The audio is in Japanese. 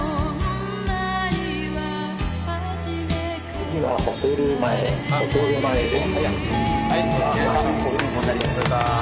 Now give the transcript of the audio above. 次はホテル前ホテル前です。